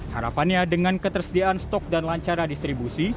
harapannya dengan ketersediaan stok dan lancaran distribusi